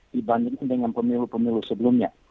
dibandingkan dengan pemilu pemilu sebelumnya